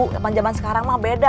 sama jaman sekarang mah beda